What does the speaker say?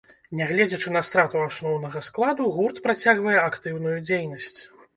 Нягледзячы на страту асноўнага складу, гурт працягвае актыўную дзейнасць.